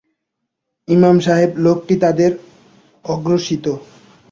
ইমাম সাহেব লোকটি তাদের আশ্রিত।